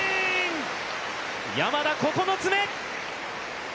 山田、９つ目！